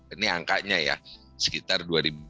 ini angkanya ya sekitar dua lima ratus